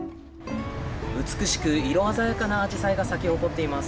美しく色鮮やかなアジサイが咲き誇っています。